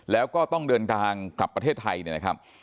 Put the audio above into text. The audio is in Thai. แล้วก็ต้องเดินทางกลับประเทศไทยเนี่ยนะครับ